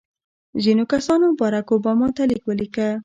ځینو کسانو بارک اوباما ته لیک ولیکه.